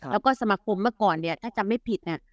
แล้วก็สมาคมเมื่อก่อนเนี่ยถ้าจำไม่ผิดเนี่ย